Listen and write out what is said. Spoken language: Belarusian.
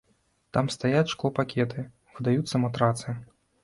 Там стаяць шклопакеты, выдаюцца матрацы.